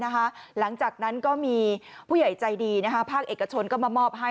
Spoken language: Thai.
หลังจากนั้นก็มีผู้ใหญ่ใจดีภาคเอกชนก็มามอบให้